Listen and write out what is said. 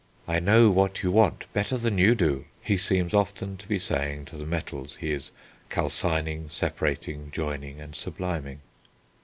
"I know what you want better than you do," he seems often to be saying to the metals he is calcining, separating, joining and subliming.